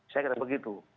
saya kira begitu